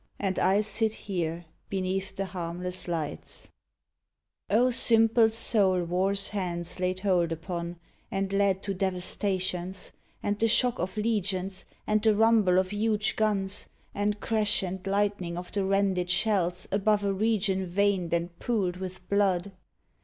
And I sit here beneath the harmless lights ! O simple soul War s hands laid hold upon And led to devastations, and the shock Of legions, and the rumble of huge guns, And crash and lightning of the rended shells Above a region veined and pooled with blood